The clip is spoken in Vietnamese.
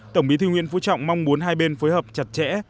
tổng bí thư nguyễn phú trọng mong muốn hai bên phối hợp chặt chẽ